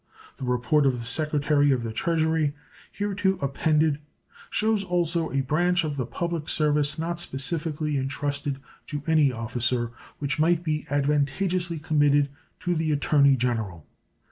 The report of the Secretary of the Treasury hereto appended shows also a branch of the public service not specifically intrusted to any officer which might be advantageously committed to the Attorney General.